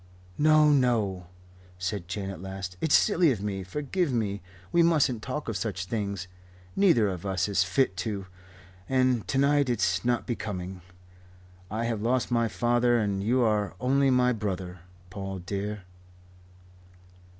"No, no," said Jane, at last. "It's silly of me. Forgive me. We mustn't talk of such things. Neither of us is fit to and to night it's not becoming. I have lost my father and you are only my brother, Paul dear."